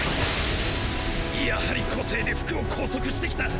やはり個性で服を拘束してきた。